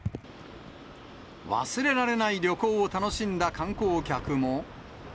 忘れられない旅行を楽しんだ観光客も。